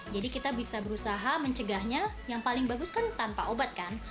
jadi kita bisa berusaha mencegahnya yang paling bagus kan tanpa obat kan